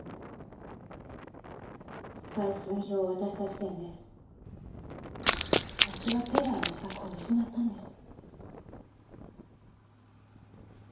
採寸表を渡した時点で私はテーラーの資格を失ったんです。